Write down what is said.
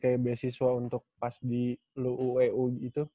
kayak beasiswa untuk pas di lu eu gitu